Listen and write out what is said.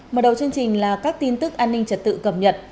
mở đầu chương trình là các tin tức an ninh trật tự cập nhật